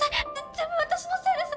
全部私のせいです！